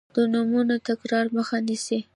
د نومونو د تکرار مخه نیسي.